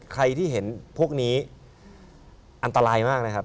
ใครที่เห็นพวกนี้อันตรายมากนะครับ